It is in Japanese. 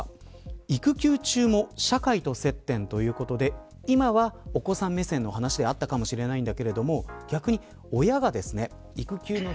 育休中も社会と接点、ということで今はお子さん目線の話であったかもしれないんだけど逆に、親が育休の人。